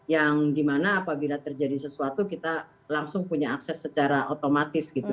yang dimana apabila terjadi sesuatu kita langsung punya akses secara otomatis gitu